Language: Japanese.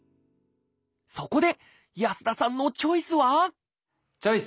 そこで安田さんのチョイスはチョイス！